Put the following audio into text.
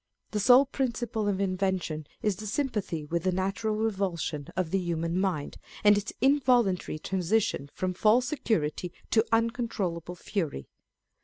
The sole principle of invention is the sympathy with the natural revulsion of the human mind, and its involuntary transition from false security to uncontrollable fury.